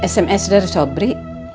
sms dari sobri